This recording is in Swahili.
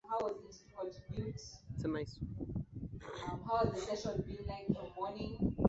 na kuanzisha jumuia nyingi Nazo jumuia kwa bidii za waamini wa